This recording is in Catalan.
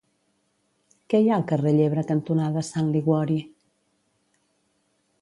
Què hi ha al carrer Llebre cantonada Sant Liguori?